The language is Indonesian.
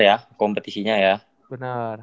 ya kompetisinya ya benar